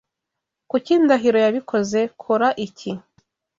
"Kuki Ndahiro yabikoze?" "Kora iki?"